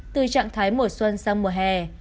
từ trạng thái mùa xuân sang mùa hè